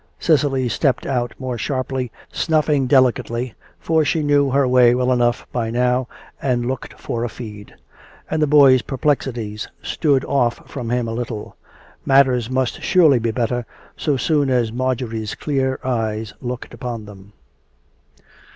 Cecily stepped out more sharply, snuffing delicately, for she knew her way well enough by now, and looked for a feed; and the boy's perplexities stood off from him a little. Matters must surely be better so soon as Marjorie's clear eyes looked upon them.